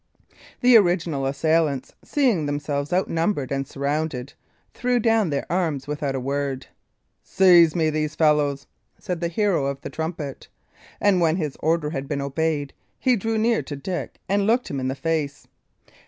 The original assailants; seeing themselves outnumbered and surrounded, threw down their arms without a word. "Seize me these fellows!" said the hero of the trumpet; and when his order had been obeyed, he drew near to Dick and looked him in the face.